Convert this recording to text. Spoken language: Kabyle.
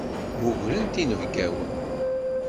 Mmugrent inebgawen.